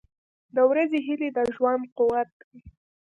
• د ورځې هیلې د ژوند قوت دی.